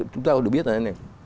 chúng ta có được biết là